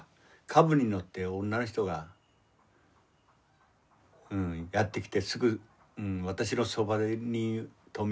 カブに乗って女の人がやって来てすぐ私のそばに止めて。